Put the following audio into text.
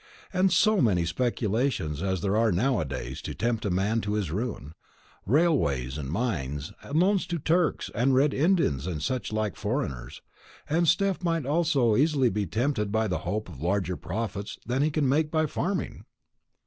"And so many speculations as there are now a days to tempt a man to his ruin railways and mines, and loans to Turks and Red Indians and such like foreigners; and Steph might so easy be tempted by the hope of larger profits than he can make by farming."